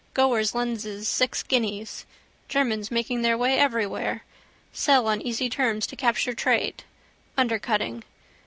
Goerz lenses six guineas. Germans making their way everywhere. Sell on easy terms to capture trade. Undercutting.